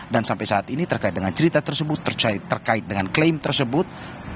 dan sampai saat ini terkait dengan cerita tersebut terkait dengan klaim tersebut